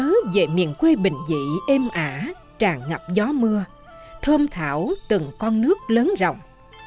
gió về miền quê bình dị êm ả tràn ngập gió mưa thơm thảo từng con nước lớn rồng